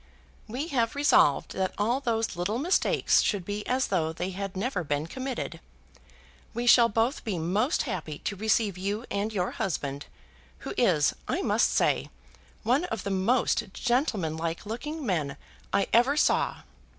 "We have resolved that all those little mistakes should be as though they had never been committed. We shall both be most happy to receive you and your husband, who is, I must say, one of the most gentlemanlike looking men I ever saw.